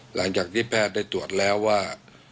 หลังจากที่แพทย์ได้ตรวจแล้วว่า